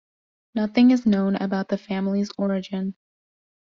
Nothing is known about the family's origin.